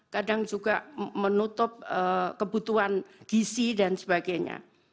kadang juga menutup kebutuhan gisi dan sebagainya